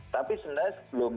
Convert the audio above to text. tapi sebenarnya sebelumnya